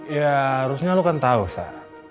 ya harusnya lo kan tau sar